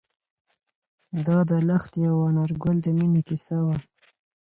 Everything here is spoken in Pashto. دا د لښتې او انارګل د مینې کیسه وه.